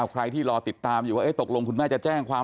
ใครที่รอติดตามอยู่ว่าตกลงคุณแม่จะแจ้งความ